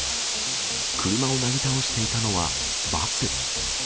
車をなぎ倒していたのはバス。